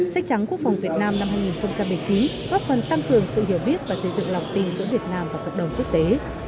sách trắng quốc phòng việt nam năm hai nghìn một mươi chín góp phần tăng cường sự hiểu biết và xây dựng lòng tin giữa việt nam và cộng đồng quốc tế